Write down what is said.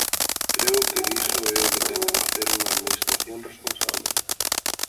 Creo que iso é o que ten que facer unha administración responsable.